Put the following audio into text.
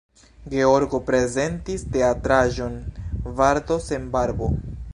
Georgo prezentis teatraĵon "Bardo sen Barbo".